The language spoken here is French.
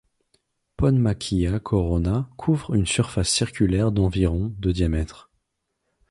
Ponmakya Corona couvre une surface circulaire d'environ de diamètre.